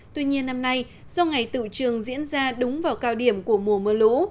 tuy nhiên năm nay do ngày tự trường diễn ra đúng vào cao điểm của mùa mưa lũ